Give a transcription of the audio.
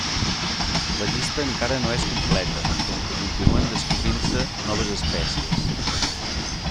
La llista encara no és completa, com que continuen descobrint-se noves espècies.